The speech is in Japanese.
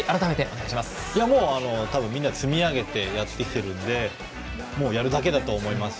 みんな、積み上げてやってきているのでもうやるだけだと思います。